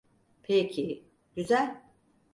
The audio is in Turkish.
Peki, güzel.